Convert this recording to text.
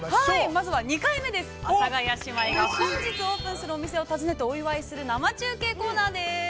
◆まずは２回目です、阿佐ヶ谷姉妹が、本日オープンするお店を訪ねて、生中継コーナーです。